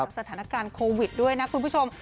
สถานการณ์โควิดด้วยนะคุณผู้ชม